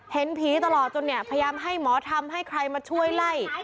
เห็นผีตลอดจนเนี่ยพยายามให้หมอทำให้ใครมาช่วยไล่